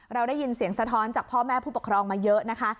เราได้ยินเสียงสะท้อนจากพ่อแม่ผู้ปกครองมาเยอะนะคะ